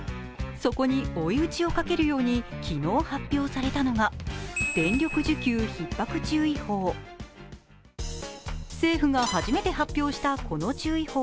そこに追い打ちをかけるように昨日発表されたのが電力需給ひっ迫注意報。